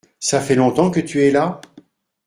Ça fait longtemps que tu es là ?